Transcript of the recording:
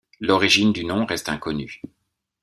L'origine du nom reste inconnue.